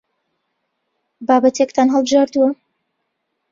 بابەتێکتان هەڵبژاردووە؟